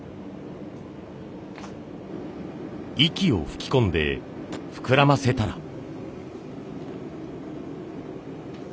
息を吹き込んで膨らませたら。